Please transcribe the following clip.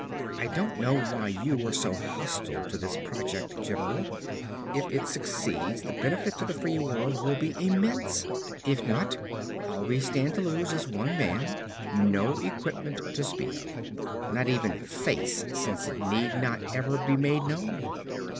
"I don't know why you are so hostile to this project, general. If it succeeds, the benefit to the free world will be immense. If not, all we stand to lose is one man, no equipment to speak of; not even 'face' since it need not ever be made known.